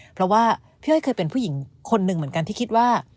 เพราะว่าพี่อ้อยเคยเป็นผู้หญิงคนหนึ่งเหมือนกันที่คิดว่า